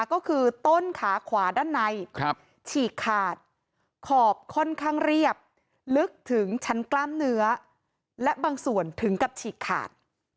ก็คือต้นขาขวาด้านในฉีกขาดขอบค่อนข้างเรียบลึกถึงชั้นกล้ามเนื้อและบางส่วนถึงกับฉีกขาด